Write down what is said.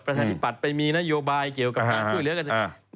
ประชาธิปัตย์ไปมีนโยบายเกี่ยวกับการช่วยเหลือกัน